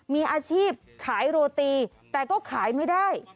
มีอาชีพขายโรตีแต่ก็ขายไม่ได้